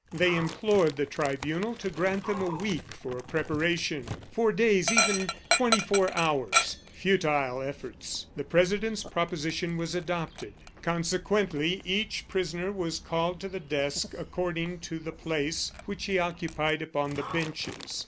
They implored the tribunal to grant them a week for preparation, four days, even twenty four hours. Futile efforts! The president's proposition was adopted. Consequently, each prisoner was called to the desk according to the place which he occupied upon the benches.